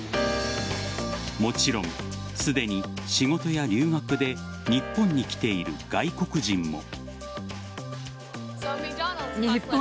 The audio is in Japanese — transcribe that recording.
もちろん、すでに仕事や留学で日本に来ている外国人も。